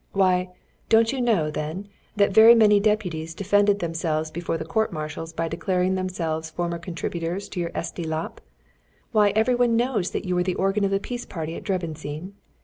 Why, don't you know, then, that very many deputies defended themselves before the court martials by declaring themselves former contributors to your Esti Lap? Why, every one knows that you were the organ of the peace party at Debreczin.